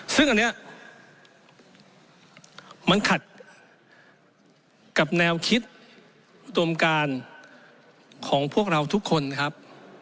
ซึ่งอันนี้มันขัดกับแนวคิดอุดมการของพวกเราทุกคนครับ